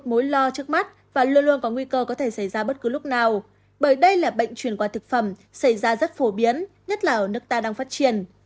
mối lo trước mắt và luôn luôn có nguy cơ có thể xảy ra bất cứ lúc nào bởi đây là bệnh truyền qua thực phẩm xảy ra rất phổ biến nhất là ở nước ta đang phát triển